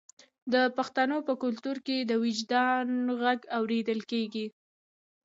د پښتنو په کلتور کې د وجدان غږ اوریدل کیږي.